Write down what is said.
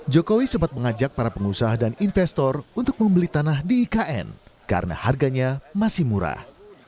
jokowi sempat mengajak para pengusaha dan investor untuk membeli tanah di ikn karena harganya masih murah